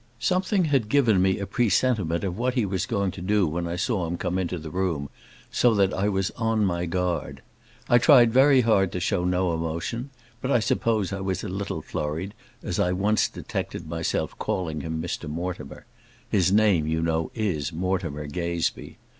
Something had given me a presentiment of what he was going to do when I saw him come into the room, so that I was on my guard. I tried very hard to show no emotion; but I suppose I was a little flurried, as I once detected myself calling him Mr Mortimer: his name, you know, is Mortimer Gazebee.